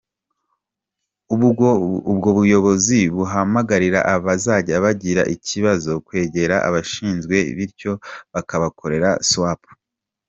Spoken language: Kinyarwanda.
Ubwo buyobozi buhamagarira abazajya bagira ikibazo, kwegera ababishinzwe bityo bakabakorera “Swap”.